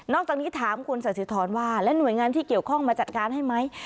จากนี้ถามคุณสาธิธรว่าและหน่วยงานที่เกี่ยวข้องมาจัดการให้ไหม